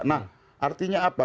nah artinya apa